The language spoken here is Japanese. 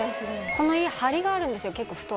この家梁があるんですよ。